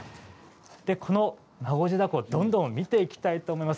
この孫次凧、どんどん見ていきたいと思います。